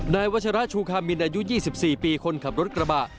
นายวัชราชูคามินอายุ๒๔ปีคนขับรถกระบะ